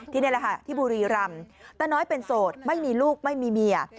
นี่แหละค่ะที่บุรีรำตาน้อยเป็นโสดไม่มีลูกไม่มีเมีย